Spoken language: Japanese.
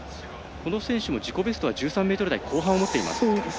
この選手も自己ベストは１３ｍ台後半を持っています。